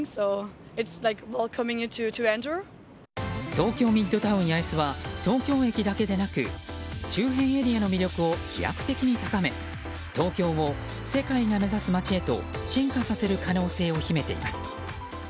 東京ミッドタウン八重洲は東京駅だけでなく周辺エリアの魅力を飛躍的に高め東京を、世界が目指す街へと進化させる可能性を秘めています。